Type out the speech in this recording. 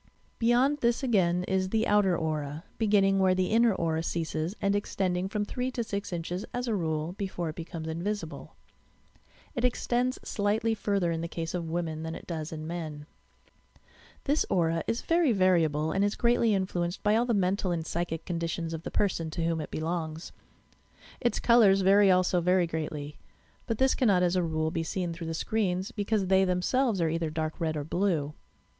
Beyond this again is the "outer aura," beginning where the inner aura ceases, and extending from three to six inches, as a rule, before it becomes invisible. It extends slightly further in the case of women than it 92 YOUR PSYCHIC POWERS does in men. This aura is very variable, and is greatly influenced by all the mental and psychic conditions of the x>crson to whom it belongs. Its colours vary also very greatly, but this cannot as a rule be seen through the screens because they themselves are either dark red or blue.